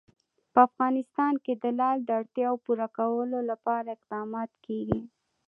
په افغانستان کې د لعل د اړتیاوو پوره کولو لپاره اقدامات کېږي.